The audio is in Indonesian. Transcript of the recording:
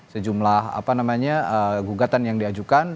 sejumlah gugatan yang diajukan